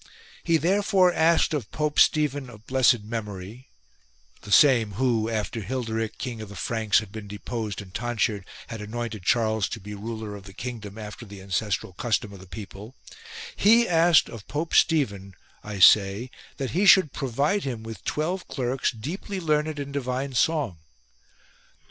He therefore asked of Pope Stephen of blessed memory — the same who, after Hilderich King of the Franks had been deposed and tonsured, had anointed Charles to be ruler of the kingdom after the ancestral custom of the people — he asked 72 ROMAN SINGING CLERKS of Pope Stephen, I say, that he should provide him with twelve clerks deeply learned in divine song.